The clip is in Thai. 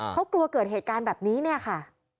เขากลัวเกิดเหตุการณ์แบบนี้เนี่ยค่ะ